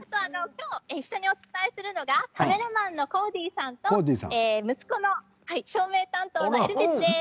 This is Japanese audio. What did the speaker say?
今日、一緒にお伝えするのがカメラマンのコーディーさんと息子の照明担当のエルヴィスです。